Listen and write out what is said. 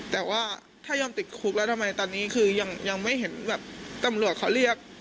แต่ว่าถ้ายอมติดคุกแล้วทำไมตอนนี้คือยังไม่เห็นแบบตำรวจเขาเรียก